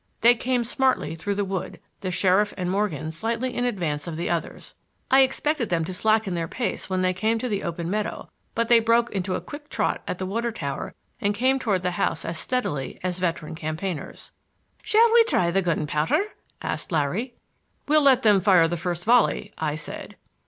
They came smartly through the wood, the sheriff and Morgan slightly in advance of the others. I expected them to slacken their pace when they came to the open meadow, but they broke into a quick trot at the water tower and came toward the house as steady as veteran campaigners. "Shall we try gunpowder?" asked Larry. "We'll let them fire the first volley," I said.